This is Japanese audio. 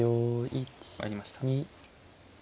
参りました。